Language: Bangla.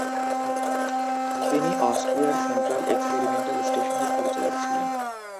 তিনি অস্ট্রিয়ার সেন্ট্রাল এক্সপেরিমেন্টাল স্টেশনের পরিচালক ছিলেন।